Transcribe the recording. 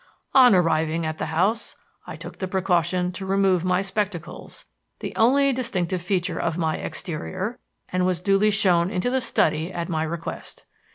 On arriving at the house, I took the precaution to remove my spectacles the only distinctive feature of my exterior and was duly shown into the study at my request.